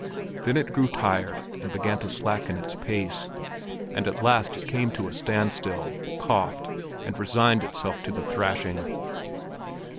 Then it grew tired and began to slacken its pace; and at last it came to a standstill, coughed, and resigned itself to the thrashing.